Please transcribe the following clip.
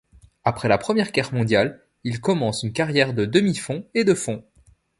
Après la Première Guerre mondiale, il commence une carrière de demi-fond et de fond.